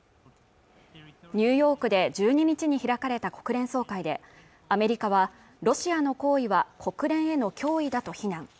ニューヨークで１２日に開かれた国連総会でアメリカはロシアの行為は国連への脅威だと非難